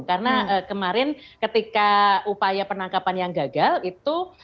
karena kemarin ketika upaya penangkapan yang gagal itu